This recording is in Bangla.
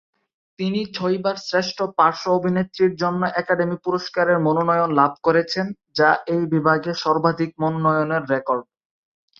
তিনি ছয়বার শ্রেষ্ঠ পার্শ্ব অভিনেত্রীর জন্য একাডেমি পুরস্কারের মনোনয়ন লাভ করেছেন, যা এই বিভাগে সর্বাধিক মনোনয়নের রেকর্ড।